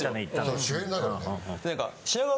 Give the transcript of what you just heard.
そう主演だからね。